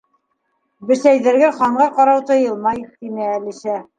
—Бесәйҙәргә Ханға ҡарау тыйылмай, —тине Әлисә.